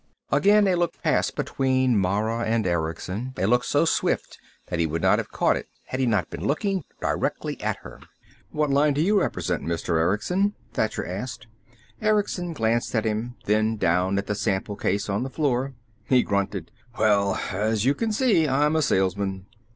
Again a look passed between Mara and Erickson, a look so swift that he would not have caught it had he not been looking directly at her. "What line do you represent, Mr. Erickson?" Thacher asked. Erickson glanced at him, then down at the sample case on the floor. He grunted. "Well, as you can see, I'm a salesman."